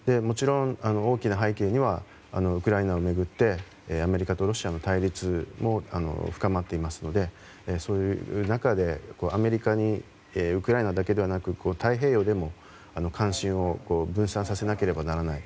大きな背景にはウクライナを巡ってアメリカとロシアの対立も深まっていますのでそういう中でアメリカにウクライナだけではなく太平洋でも監視を分散させなければならない。